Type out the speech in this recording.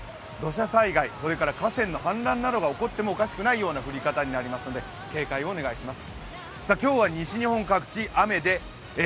土砂災害、河川の氾濫などが起こってもおかしくない降り方になりますので警戒をお願いします。